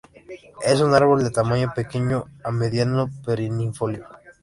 Es un árbol de tamaño pequeño a mediano perennifolio.